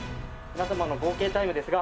皆様の合計タイムですが。